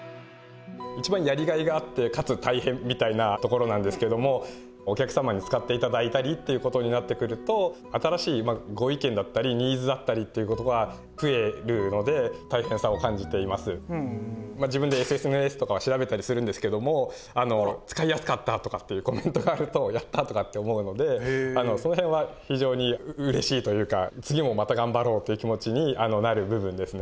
いちばんやりがいがあってかつ大変みたいなところなんですけどもお客様に使っていただいたりっていうことになってくると自分でＳＮＳとかは調べたりはするんですけども使いやすかったとかっていうコメントがあると「やった」とかって思うのでその辺は非常にうれしいというか次もまたがんばろうという気持ちになる部分ですね。